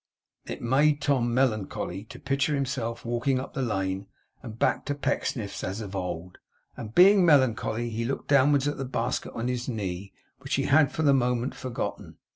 It made Tom melancholy to picture himself walking up the lane and back to Pecksniff's as of old; and being melancholy, he looked downwards at the basket on his knee, which he had for the moment forgotten.